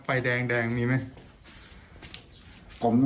ไฟแดงมีไหม